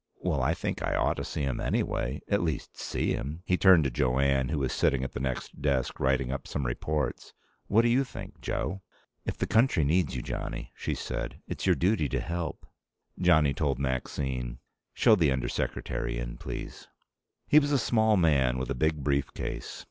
"Well, I think I ought to see him, anyway. At least see him." He turned to Jo Anne, who was sitting at the next desk, writing up some reports. "What do you think, Jo?" "If the country needs you, Johnny," she said, "it's your duty to help." Johnny told Maxine, "Show the Under Secretary in, please." He was a small man with a big brief case.